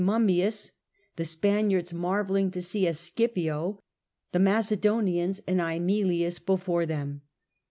107 Mummius, the Spaniards marvelling to see a Scipio, the Macedonians an v^^milius before them.